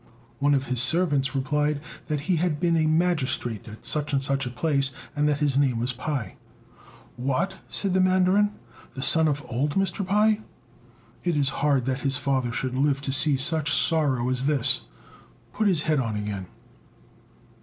One of his servants replied that he had been a magistrate at such and such a place, and that his name was Pai. "What!" said the mandarin, "the son of old Mr. Pai? It is hard that his father should live to see such sorrow as this. Put his head on again."